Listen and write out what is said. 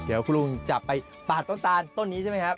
เดี๋ยวคุณลุงจะไปปาดต้นตาลต้นนี้ใช่ไหมครับ